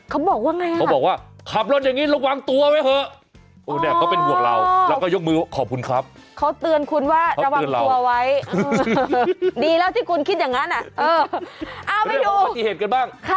เค้าบอกว่าไงอ่ะเค้าบอกว่าขับรถอย่างนี้ระวังตัวไว้เถอะ